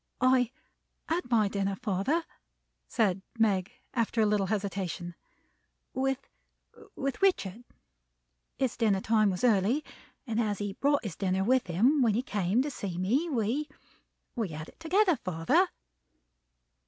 "I had my dinner, father," said Meg, after a little hesitation, "with with Richard. His dinner time was early; and as he brought his dinner with him when he came to see me, we we had it together, father."